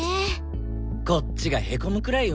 こっちがへこむくらいうまいし。